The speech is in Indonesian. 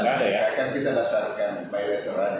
kita dasarkan by letter an ya